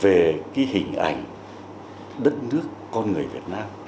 về cái hình ảnh đất nước con người việt nam